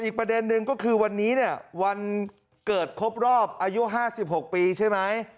ประเด็นหนึ่งก็คือวันนี้เนี่ยวันเกิดครบรอบอายุ๕๖ปีใช่ไหม